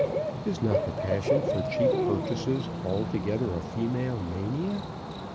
Is not the passion for cheap purchases altogether a female mania?